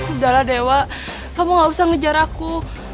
udahlah dewa kamu gak usah ngejar aku